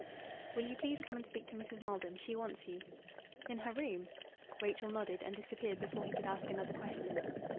"Will you please come and speak to Mrs. Maldon? She wants you." "In her room?" Rachel nodded and disappeared before he could ask another question.